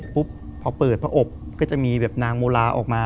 พอเปิดพระอบก็จะมีแบบนางโมลาออกมา